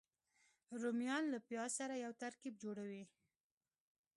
رومیان له پیاز سره یو ترکیب جوړوي